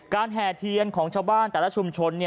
การแภเทียนของชาวบ้านแต่ละชุมชนเนี่ย